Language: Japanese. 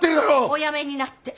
おやめになって。